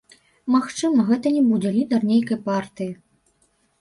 Магчыма, гэта не будзе лідар нейкай партыі.